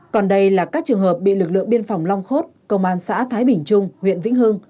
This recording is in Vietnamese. còn đây là các trường hợp bị lực lượng biên phòng long khốt công an xã thái bình trung huyện vĩnh hưng